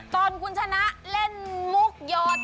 ตอนคุณชนะเล่นมุกหยอด